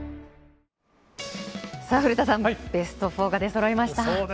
さあ古田さん、ベスト４が出そろいました。